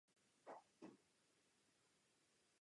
Píše se tedy například o "vojenském újezdu Libavá".